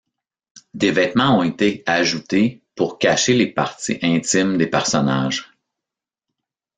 Des vêtements ont été ajoutées pour cacher les parties intimes des personnages.